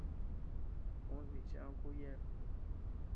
Ú nichi ama kù yéabea.